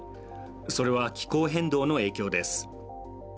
それは、気候変動の影響です。